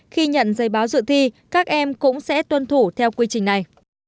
khi nhận giấy báo dự thi các em cũng sẽ tuân thủ theo quy trình này